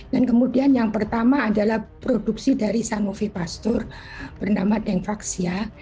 dan kemudian yang pertama adalah produksi dari sanmovi pasteur bernama dengvaksia